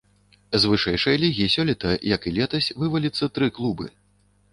З вышэйшай лігі сёлета, як і летась, вываліцца тры клубы.